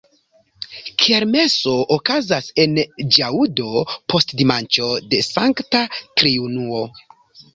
Kermeso okazas en ĵaŭdo post dimanĉo de Sankta Triunuo.